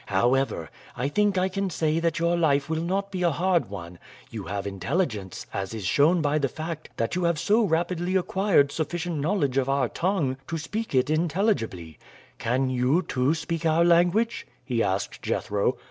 However, I think I can say that your life will not be a hard one; you have intelligence, as is shown by the fact that you have so rapidly acquired sufficient knowledge of our tongue to speak it intelligibly. Can you, too, speak our language?" he asked Jethro.